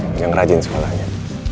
jangan rajin sekolahnya